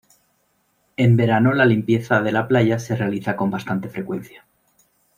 En verano la limpieza de la playa se realiza con bastante frecuencia.